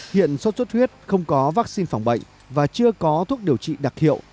hiện sốt xuất huyết không có vaccine phòng bệnh và chưa có thuốc điều trị đặc hiệu